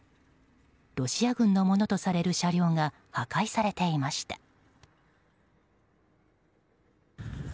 ロシア軍のものとされる車両が破壊されていました。